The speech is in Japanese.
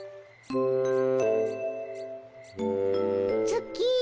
ツッキー